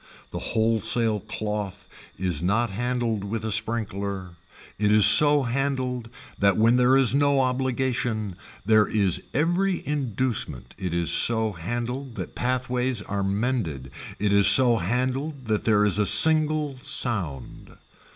The wholesale cloth is not handled with a sprinkler, it is so handled that when there is no obligation there is every inducement it is so handled that pathways are mended, it is so handled that there is a single sound.